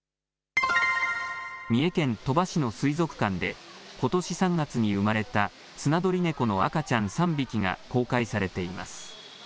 三重県鳥羽市の水族館で、ことし３月に生まれたスナドリネコの赤ちゃん３匹が公開されています。